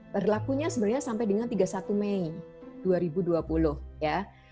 berlakunya sebenarnya sampai dengan tiga puluh satu mei dua ribu dua puluh ya